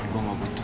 gue nggak butuh